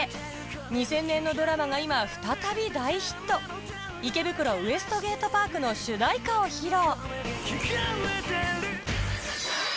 ２０００年のドラマが今再び大ヒット『池袋ウエストゲートパーク』の主題歌を披露